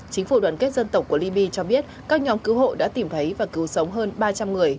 chính phủ đoàn kết dân tộc của libya cho biết các nhóm cứu hộ đã tìm thấy và cứu sống hơn ba trăm linh người